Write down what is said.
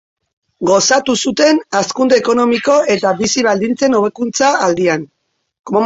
Gozatu zuten hazkunde ekonomiko eta bizi-baldintzen hobekuntza aldian.